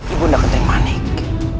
ibu ndak keteng manik